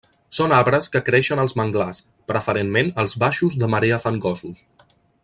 Són arbres que creixen als manglars, preferentment als baixos de marea fangosos.